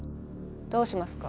どうしますか？